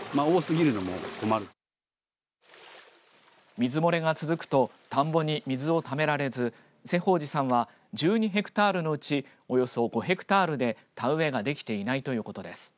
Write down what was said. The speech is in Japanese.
水漏れが続くと田んぼに水をためられず瀬法司さんは１２ヘクタールのうちおよそ５ヘクタールで田植えができていないということです。